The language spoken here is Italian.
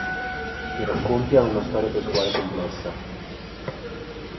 I racconti hanno una storia testuale complessa.